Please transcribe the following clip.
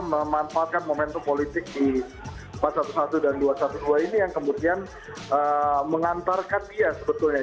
memanfaatkan momentum politik di empat ratus sebelas dan dua ratus dua belas ini yang kemudian mengantarkan dia sebetulnya